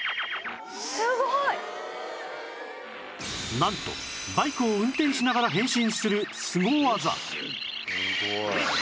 なんとバイクを運転しながら変身するスゴ技変身！